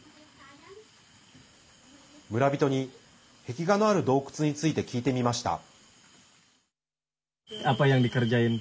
村人に、壁画のある洞窟について聞いてみました。